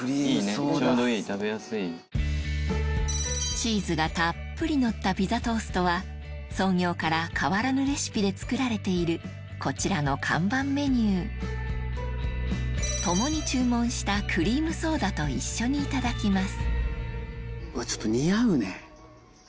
チーズがたっぷりのったピザトーストは創業から変わらぬレシピで作られているこちらの看板メニュー共に注文したクリームソーダと一緒にいただきます